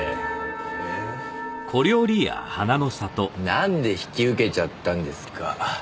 なんで引き受けちゃったんですか？